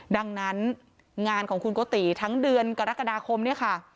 ดังนั้นงานของคุณโกติทั้งเดือนกรกฎาคมเนี่ยค่ะ